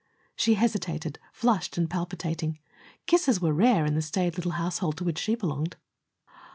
She hesitated, flushed and palpitating. Kisses were rare in the staid little household to which she belonged.